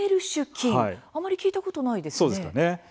あまり聞いたことはないですね。